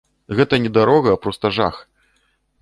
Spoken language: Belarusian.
Гэта не дарога, а проста жах.